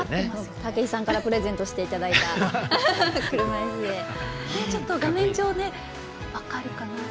武井さんからプレゼントしていただいた画面上分かるかな。